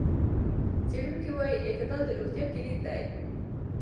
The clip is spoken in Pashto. څېړونکي وايي اعتدال د روغتیا کلید دی.